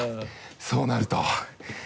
そうなると。